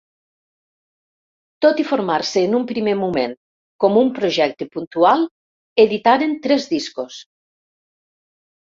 Tot i formar-se en un primer moment com un projecte puntual, editaren tres discos.